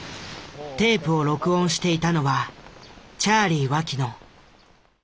テープを録音していたのはチャーリィ脇野。